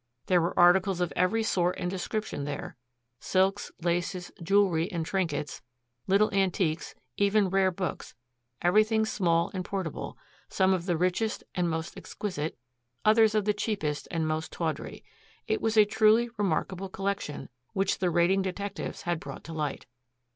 There were articles of every sort and description there silks, laces, jewelry and trinkets, little antiques, even rare books everything small and portable, some of the richest and most exquisite, others of the cheapest and most tawdry. It was a truly remarkable collection, which the raiding detectives had brought to light.